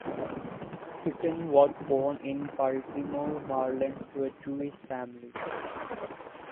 Witten was born in Baltimore, Maryland, to a Jewish family.